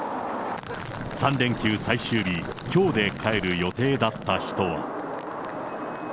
３連休最終日、きょうで帰る予定だった人は。